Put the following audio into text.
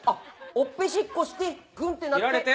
押っぺしっこしてぐんってなってばさっ。